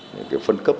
những cái phân cấp